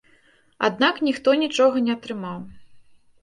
Аднак ніхто нічога не атрымаў.